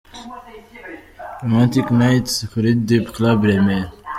Romantic Night kuri Deep Club i Remera